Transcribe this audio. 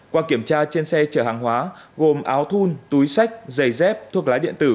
qua kiểm tra trên xe chở hàng hóa gồm áo thun túi sách giày dép thuốc lá điện tử